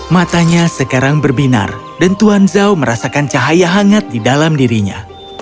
matanya sekarang berbinar dan tuan zhao merasakan cahaya hangat di dalam dirinya